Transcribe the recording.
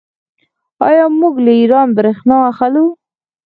آیا موږ له ایران بریښنا اخلو؟